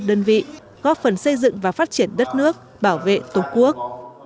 đơn vị góp phần xây dựng và phát triển đất nước bảo vệ tổ quốc